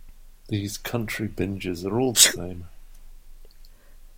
These country binges are all the same.